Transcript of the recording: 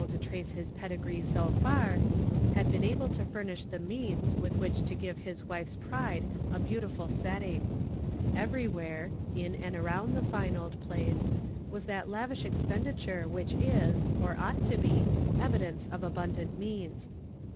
lo trace his junligree so far, liad been able lo furnish the means with which to give his wife's pride a beautiful setting. Everywhere, in and around the fine old place, was that lavish expenditure which is, or ought to be, evidence of abundant means.